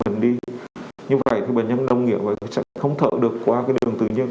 như vậy thì bệnh nhân đông nghiệp và sẽ không thở được qua đường tự nhiên